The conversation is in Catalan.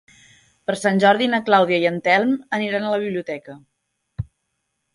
Per Sant Jordi na Clàudia i en Telm aniran a la biblioteca.